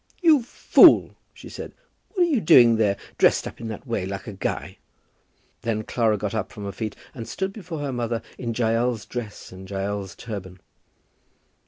"You fool!" she said, "what are you doing there, dressed up in that way like a guy?" Then Clara got up from her feet and stood before her mother in Jael's dress and Jael's turban.